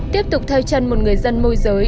tiếp tục theo chân một người dân môi giới